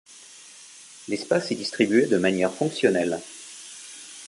L'espace est distribué de manière fonctionnelle.